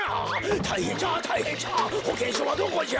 たいへんじゃたいへんじゃほけんしょうはどこじゃ？